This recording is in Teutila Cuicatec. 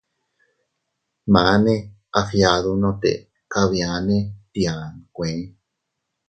Maane a fgiadunote kabiane tia nkue.